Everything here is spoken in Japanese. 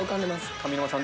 上沼さん